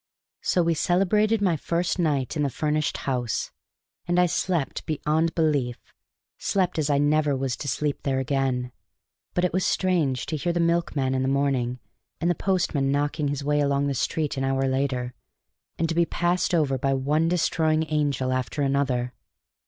So we celebrated my first night in the furnished house; and I slept beyond belief, slept as I never was to sleep there again. But it was strange to hear the milkman in the early morning, and the postman knocking his way along the street an hour later, and to be passed over by one destroying angel after another.